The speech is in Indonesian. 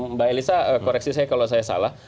mbak elisa koreksi saya kalau saya salah